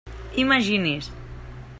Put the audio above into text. Imagini's!